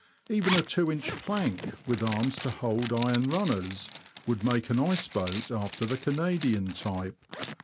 Even a 2 in. plank, with arms to hold iron runners, would make an ice boat after the Canadian type.